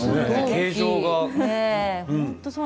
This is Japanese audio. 形状が。